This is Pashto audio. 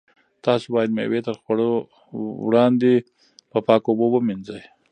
تاسو باید مېوې تر خوړلو وړاندې په پاکو اوبو ومینځئ.